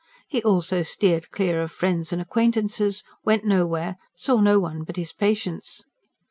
He also steered clear of friends and acquaintances, went nowhere, saw no one but his patients.